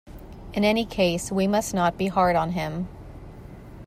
In any case we must not be hard on him.